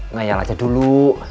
nyalah aja dulu